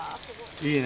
いいね。